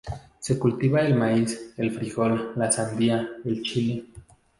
Se cultiva el maíz, el frijol, la sandía, el chile.